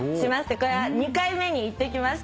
これは２回目に行ってきました。